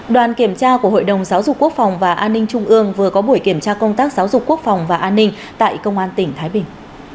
đoàn kiểm tra của hội đồng giáo dục quốc phòng và an ninh trung ương vừa có buổi kiểm tra công tác giáo dục quốc phòng và an ninh tại công an tỉnh thái bình